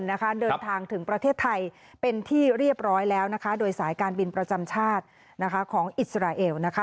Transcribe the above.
เดินทางถึงประเทศไทยเป็นที่เรียบร้อยแล้วนะคะโดยสายการบินประจำชาตินะคะของอิสราเอลนะคะ